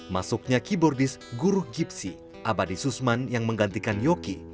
masuknya keyboardist guru gypsy abadi susman yang menggantikan yoki